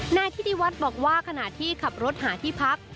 นายธิติวัฒน์บอกว่าขณะที่ขับรถหาที่พัก